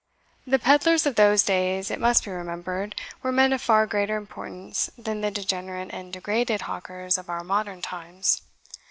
The pedlars of those days, it must be remembered, were men of far greater importance than the degenerate and degraded hawkers of our modern times.